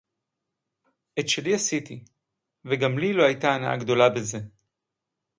אֶת שלי עשיתי, וגם לי לא היתה הנאה גדולה בזה